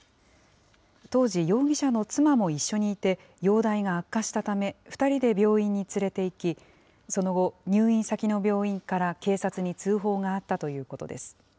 当時、容疑者の妻も一緒にいて、容体が悪化したため、２人で病院に連れていき、その後、入院先の病院から警察に通報があったということです。